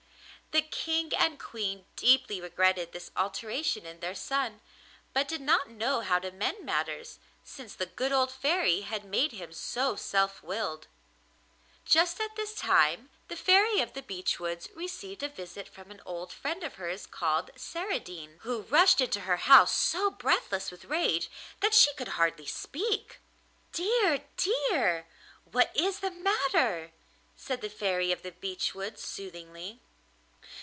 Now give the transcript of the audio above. The King and Queen deeply regretted this alteration in their son, but did not know how to mend matters, since the good old Fairy had made him so self willed. Just at this time the Fairy of the Beech Woods received a visit from an old friend of hers called Saradine, who rushed into her house so breathless with rage that she could hardly speak. 'Dear, dear! what is the matter?' said the Fairy of the Beech Woods soothingly.